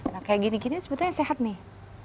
nah kayak gini gini sebetulnya sehat nih